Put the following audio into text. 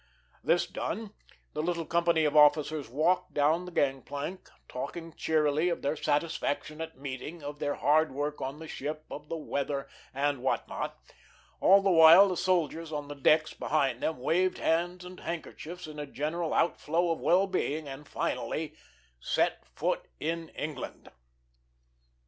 This done, the little company of officers walked down the gang plank, talking cheerily of their satisfaction at meeting, of their hard work on the ship, of the weather, and what not, all the while the soldiers on the decks behind them waved hands and handkerchiefs in a general overflow of well being, and finally set foot in England!